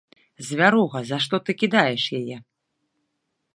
Звяруга, за што ты кідаеш яе?